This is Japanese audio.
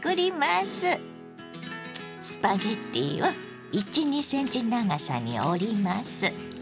スパゲッティを１２ｃｍ長さに折ります。